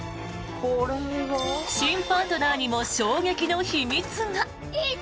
新パートナーにも衝撃の秘密が！